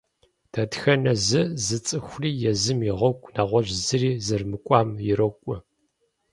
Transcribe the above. Дэтхэнэ зы зы цӏыхури езым и гъуэгу, нэгъуэщӀ зыри зэрымыкӀуам, ирокӀуэ.